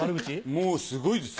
もうすごいですよ。